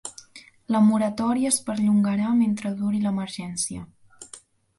La moratòria es perllongarà mentre duri l'emergència.